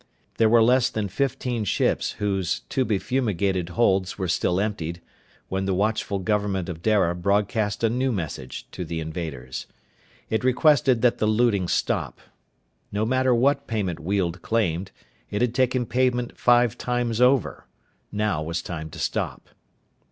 There were less than fifteen ships whose to be fumigated holds were still emptied, when the watchful government of Dara broadcast a new message to the invaders. It requested that the looting stop. No matter what payment Weald claimed, it had taken payment five times over. Now was time to stop.